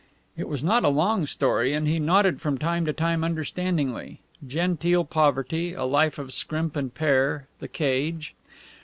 It was not a long story, and he nodded from time to time understandingly. Genteel poverty, a life of scrimp and pare the cage.